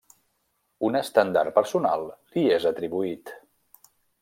Un estendard personal li és atribuït.